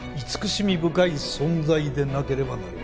慈しみ深い存在でなければなりません。